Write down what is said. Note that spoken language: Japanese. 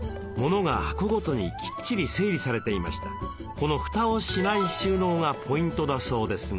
このふたをしない収納がポイントだそうですが。